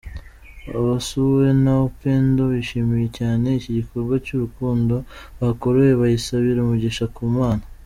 Abasuwe na Upendo bishimiye cyane iki gikorwa cy’urukundo bakorewe, bayisabira umugisha ku Mana.